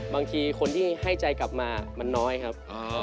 บางทีคนที่ให้ใจกลับมามันน้อยครับ